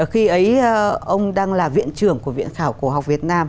khi ấy ông đang là viện trưởng của viện khảo cổ học việt nam